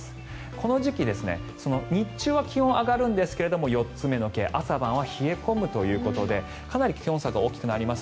この時期日中は気温が上がるんですが４つ目のＫ朝晩は冷え込むということでかなり気温差が大きくなります。